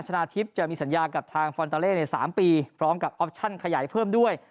ชนะทิพย์จะมีสัญญากับทางฟอนตาเล่ใน๓ปีพร้อมกับออปชั่นขยายเพิ่มด้วย